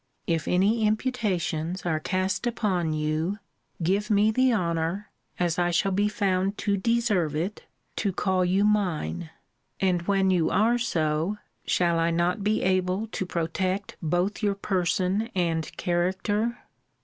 If any imputations are cast upon you, give me the honour (as I shall be found to deserve it) to call you mine; and, when you are so, shall I not be able to protect both your person and character?